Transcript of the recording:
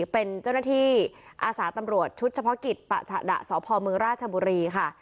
เป็นเจ้าหน้าที่อาสาตำรวจชุดเฉพาะกิจปะฉะดะสพมราชบุรีค่ะ